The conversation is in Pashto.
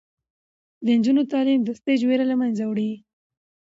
د نجونو تعلیم د سټیج ویره له منځه وړي.